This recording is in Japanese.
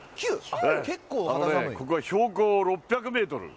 ここはね、標高６００メートル。